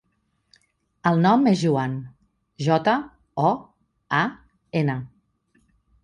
El nom és Joan: jota, o, a, ena.